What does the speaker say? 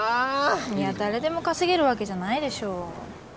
いや誰でも稼げるわけじゃないでしょ。